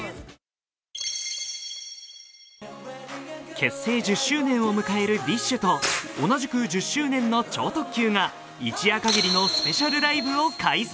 結成１０周年を迎えるＤＩＳＨ／／と同じく１０周年の超特急が一夜限りのスペシャルライブを開催。